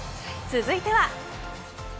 続いては。